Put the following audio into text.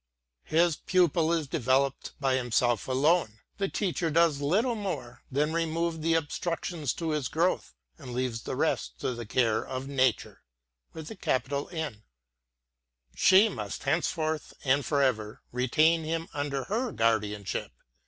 I lis pupil is developed by himself alone. The teacher does little more than remove the obstructions to his growth, and leaves the rest to the care of Nature. She must henceforth and for ever retain him under her guardianship.